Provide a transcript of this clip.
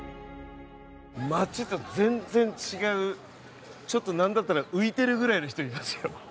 街と全然違うちょっと何だったら浮いてるぐらいの人いますよ。